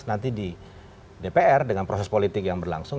nanti di dpr dengan proses politik yang berlangsung